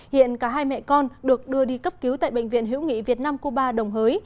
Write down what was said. hiện cả hai mẹ con được đưa đi cấp cứu tại bệnh viện hữu nghị việt nam cuba đồng hới